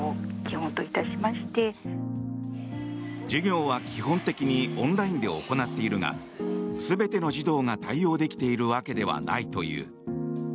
授業は基本的にオンラインで行っているが全ての児童が対応できているわけではないという。